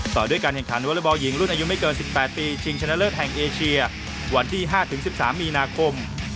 ต่อด้วยการแข่งขันวอเล็กบอลหญิงรุ่นอายุไม่เกิน๑๘ปีชิงชนะเลิศแห่งเอเชียวันที่๕๑๓มีนาคม